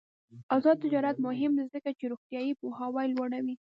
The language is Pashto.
آزاد تجارت مهم دی ځکه چې روغتیايي پوهاوی لوړوي.